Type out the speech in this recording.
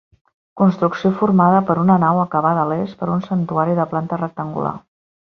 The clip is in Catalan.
Construcció formada per una nau acabada a l'est per un santuari de planta rectangular.